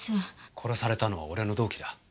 殺されたのは俺の同期だ。